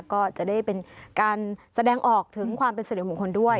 ก็จะได้เป็นการแสดงออกถึงความเป็นสิริมงคลด้วย